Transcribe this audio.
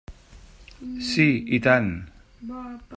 Sí, i tant.